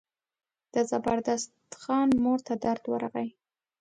د زبردست خان مور ته درد ورغی.